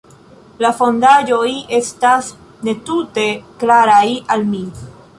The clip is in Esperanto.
La fondaĵoj estas ne tute klaraj al mi.